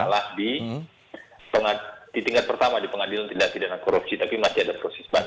itu sudah difonis bersalah di tingkat pertama di pengadilan tindak pidana korupsi tapi masih ada proses banding